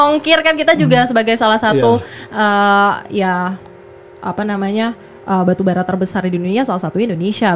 ongkir kan kita juga sebagai salah satu batubara terbesar di dunia salah satu indonesia